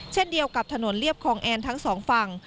เช่นเดียวกับถนนเรียบคลองแอนทั้งสองฝั่ง